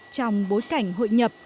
trong bối cảnh hội nhập